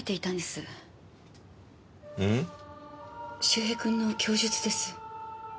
周平君の供述です。